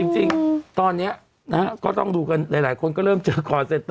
จริงตอนนี้นะฮะก็ต้องดูกันหลายคนก็เริ่มเจอกลอนเซตเตอร์